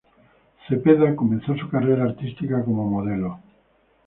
Cepeda comenzó su carrera artística como modelo.